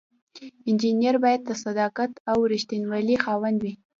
انجینر باید د صداقت او ریښتینولی خاوند وي.